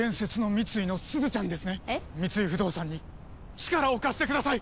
三井不動産に力を貸してください！